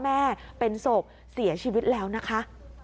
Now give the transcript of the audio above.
แม่เป็นศพเสียชีวิตแล้วนะคะ